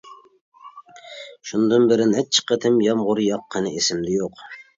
شۇندىن بىرى نەچچە قېتىم يامغۇر ياغقىنى ئېسىمدە يوق.